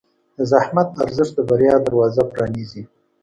د زحمت ارزښت د بریا دروازه پرانیزي.